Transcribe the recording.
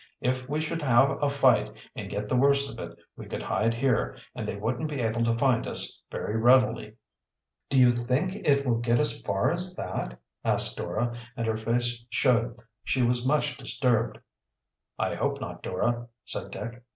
"If we should have a fight and get the worst of it, we could hide here and they wouldn't be able to find us very readily." "Do you think it will get as far as that?" asked Dora, and her face showed she was much disturbed. "I hope not, Dora," said Dick.